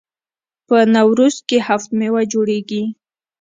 په نوروز کې هفت میوه جوړیږي.